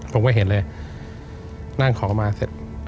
ผมก็เห็นเลยนั่งขอมาเสร็จ